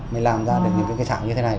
mới làm ra được những cái trạm như thế này